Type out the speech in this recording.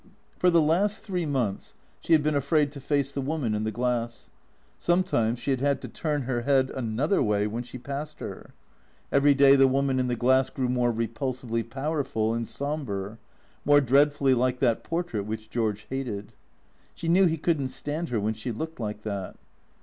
For the last three months she had been afraid to face the woman in the glass. Sometimes she had had to turn her head another way when she passed her. Every day the woman in the glass grew more repulsively powerful and sombre, more dreadfully like that portrait which George hated. She knew he could n't stand her when she looked like that.